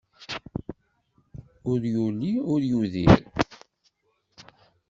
Ur yuli, ur yudir.